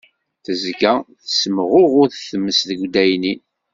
Tezga tessemɣuɣud tmes deg addaynin.